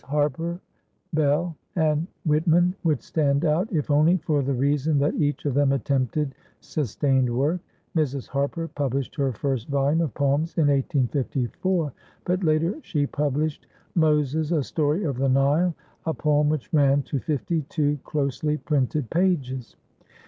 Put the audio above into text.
Harper, Bell and Whitman would stand out if only for the reason that each of them attempted sustained work. Mrs. Harper published her first volume of poems in 1854, but later she published "Moses, a Story of the Nile," a poem which ran to 52 closely printed pages.